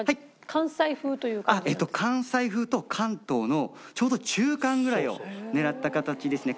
関西風と関東のちょうど中間ぐらいを狙ったかたちですね。